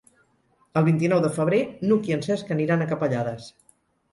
El vint-i-nou de febrer n'Hug i en Cesc aniran a Capellades.